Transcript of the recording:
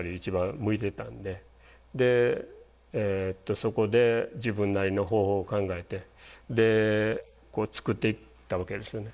でそこで自分なりの方法を考えて作っていったわけですよね。